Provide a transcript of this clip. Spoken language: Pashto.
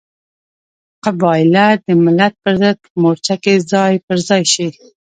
قبایلت د ملت پرضد په مورچه کې ځای پر ځای شي.